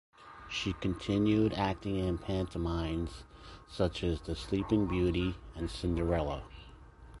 She continued acting in pantomimes such as "The Sleeping Beauty" and "Cinderella".